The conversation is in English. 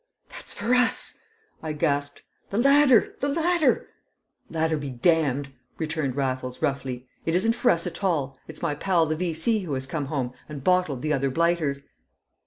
"That's for us!" I gasped. "The ladder! The ladder!" "Ladder be damned!" returned Raffles, roughly. "It isn't for us at all; it's my pal the V.C. who has come home and bottled the other blighters."